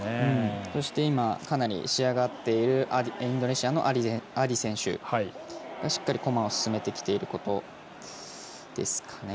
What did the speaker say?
そして今かなり仕上がっているインドネシアのアディ選手がしっかり駒を進めてきていることですかね。